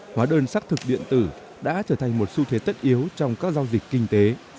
hóa đơn xác thực điện tử đã trở thành một xu thế tất yếu trong các giao dịch kinh tế